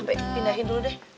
ampe pindahin dulu deh